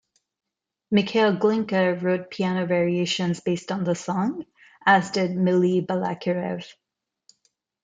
Mikhail Glinka wrote piano variations based on the song, as did Mily Balakirev.